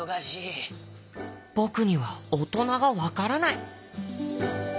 「ぼくにはおとながわからない！」。